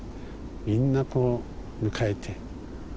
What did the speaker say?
みんなこう迎えて。